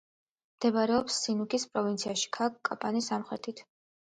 მდებარეობს სიუნიქის პროვინციაში, ქალაქ კაპანის სამხრეთით.